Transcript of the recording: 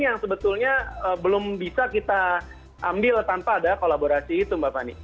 yang sebetulnya belum bisa kita ambil tanpa ada kolaborasi itu mbak fani